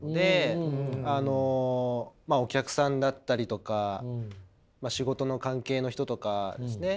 あのお客さんだったりとか仕事の関係の人とかですね。